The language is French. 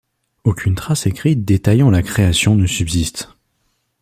Aucune trace écrite détaillant la création ne subsiste.